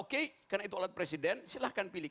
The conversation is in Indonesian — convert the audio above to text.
oke karena itu alat presiden silahkan pilih